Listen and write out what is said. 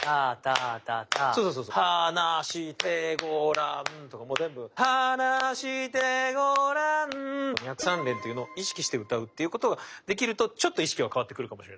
「はなしてごらん」とかも全部はなしてごらん２拍３連っていうのを意識して歌うっていうことができるとちょっと意識が変わってくるかもしれない。